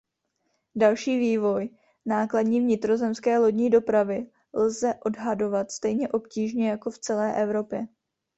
Další vývoj nákladní vnitrozemské lodní dopravy lze odhadovat stejně obtížně jako v celé Evropě.